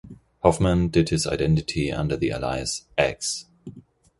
Hoffman hid his identity under the alias "X".